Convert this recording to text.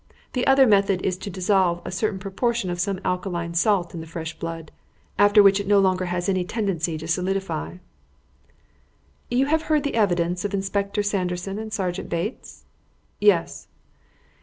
The other method is to dissolve a certain proportion of some alkaline salt in the fresh blood, after which it no longer has any tendency to solidify." "You have heard the evidence of Inspector Sanderson and Sergeant Bates?" "Yes."